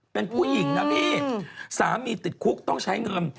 เป็นผู้หญิงนะพี่สามีติดคุกต้องใช้เงิน